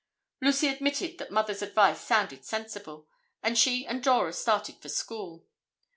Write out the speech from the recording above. Lucy admitted that Mother's advice sounded sensible, and she and Dora started for school.